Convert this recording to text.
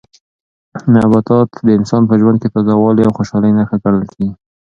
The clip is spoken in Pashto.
نباتات د انسان په ژوند کې د تازه والي او خوشالۍ نښه ګڼل کیږي.